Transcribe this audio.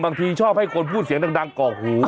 ชอบให้คนพูดเสียงดังกอกหู